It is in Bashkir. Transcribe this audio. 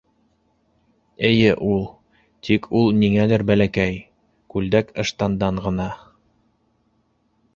Эйе, ул. Тик ул ниңәлер бәләкәй, күлдәк-ыштандан ғына.